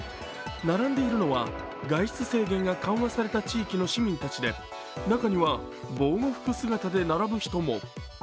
並んでいるのは外出制限が緩和された地域の市民たちで中には防護服姿で並ぶ人も。